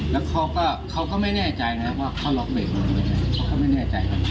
และเขาก็ไม่แน่ใจว่าเขาล็อกเบรกมือ